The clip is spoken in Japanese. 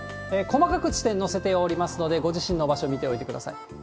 細かく地点載せておりますので、ご自身の場所見ておいてください。